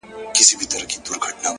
ستا تصوير خپله هينداره دى زما گراني !